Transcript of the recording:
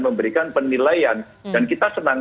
memberikan penilaian dan kita senang